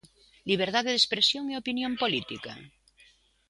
Liberdade de expresión e opinión política?